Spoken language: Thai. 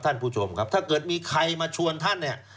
ท่านผู้ชมครับถ้าเกิดมีใครมาชวนท่านเนี่ย